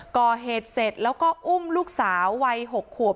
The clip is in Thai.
ก่อเหตุเสร็จแล้วก็อุ้มลูกสาววัย๖ขวบ